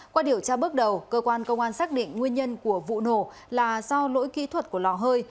qua điều tra bước đầu cơ quan công an xác định nguyên nhân của vụ nổ là do lỗi kỹ thuật của lò hơi